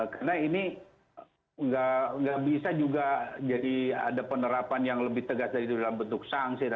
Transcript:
karena ini nggak bisa juga jadi ada penerapan yang lebih tegas dari itu dalam bentuk sanksi